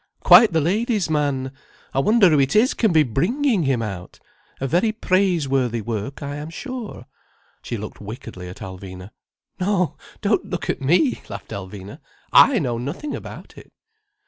Quite the ladies' man! I wonder who it is can be bringing him out. A very praiseworthy work, I am sure." She looked wickedly at Alvina. "No, don't look at me," laughed Alvina, "I know nothing about it."